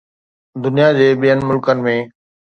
دنيا جي ٻين ملڪن ۾